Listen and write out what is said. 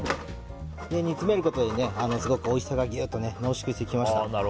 煮詰めることですごくおいしさがギュッと濃縮してきました。